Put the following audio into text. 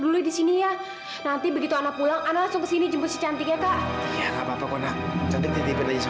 dulu di sini ya nanti begitu anak pulang anak sukses ini jemput cantiknya kak ya